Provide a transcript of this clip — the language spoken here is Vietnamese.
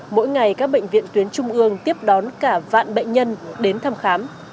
mỗi ngày các bệnh viện tuyến trung ương tiếp đón cả vạn bệnh nhân đến thăm khám